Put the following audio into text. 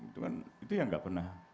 itu kan itu yang nggak pernah